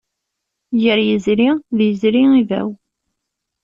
Gar yizri, d yizri ibaw.